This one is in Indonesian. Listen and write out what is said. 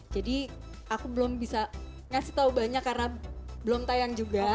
jadi aku belum bisa ngasih tau banyak karena belum tayang juga